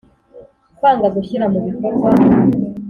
Kwanga gushyira mu bikorwa